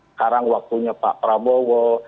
sekarang waktunya pak prabowo